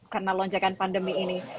karena lonjakan pandemi ini